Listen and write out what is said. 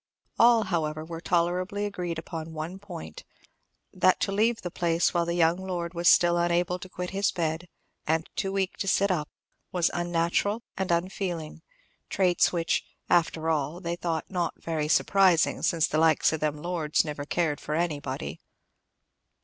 All, however, were tolerably agreed upon one point, that to leave the place while the young lord was still unable to quit his bed, and too weak to sit up, was unnatural and unfeeling; traits which, "after all," they thought "not very surprising, since the likes of them lords never cared for anybody."